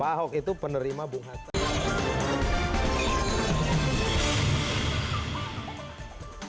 pahok itu penerima bung hatta